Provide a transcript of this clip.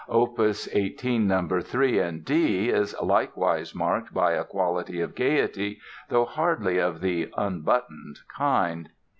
Opus 18, No. 3, in D, is likewise marked by a quality of gaiety, though hardly of the "unbuttoned" kind.